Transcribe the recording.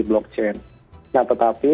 blockchain nah tetapi